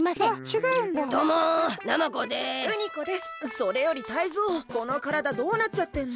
それよりタイゾウこのからだどうなっちゃってんの？